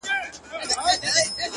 o راسره جانانه ستا بلا واخلم ـ